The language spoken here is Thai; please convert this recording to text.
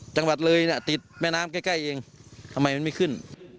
จังหวัดเลยเนี่ยติดแม่น้ำใกล้เองทำไมมันไม่ขึ้น